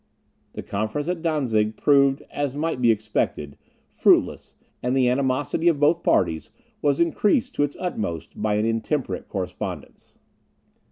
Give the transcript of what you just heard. The conference at Dantzic proved, as might be expected, fruitless, and the animosity of both parties was increased to its utmost by an intemperate correspondence.